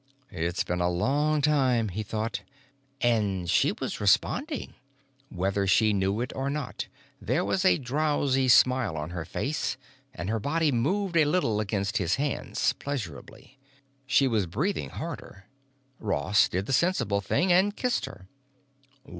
It's been a long time, he thought—and she was responding! Whether she knew it or not, there was a drowsy smile on her face and her body moved a little against his hands, pleasurably. She was breathing harder. Ross did the sensible thing and kissed her.